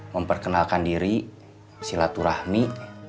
memperkenalkan diri silaturahmi